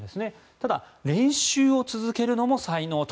ただ、練習を続けるのも才能と。